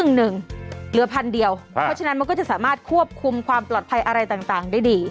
เพราะฉะนั้นเหลือพันเดียวเพราะฉะนั้นมันก็จะสามารถควบคุมความปลอดภัยอะไรต่างได้ดี